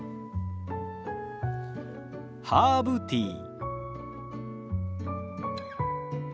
ハーブティー。